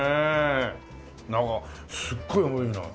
なんかすっごい重いよな。